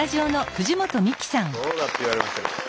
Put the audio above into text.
「どうだ」って言われましたけど。